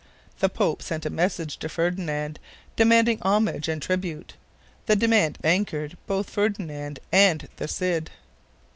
The Pope sent a message to Ferdinand, demanding homage and tribute. The demand angered both Ferdinand and the Cid.